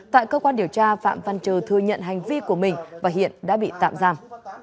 tại cơ quan điều tra phạm văn trừ thừa nhận hành vi của mình và hiện đã bị tạm giam